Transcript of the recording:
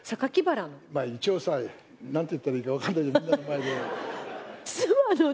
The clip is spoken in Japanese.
まあ一応さ、なんて言ったらいいか分からないじゃん、みんなの前で。